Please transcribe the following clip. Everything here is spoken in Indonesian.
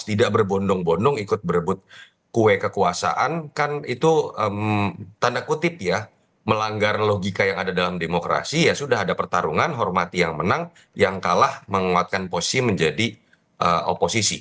tidak berbondong bondong ikut berebut kue kekuasaan kan itu tanda kutip ya melanggar logika yang ada dalam demokrasi ya sudah ada pertarungan hormati yang menang yang kalah menguatkan posisi menjadi oposisi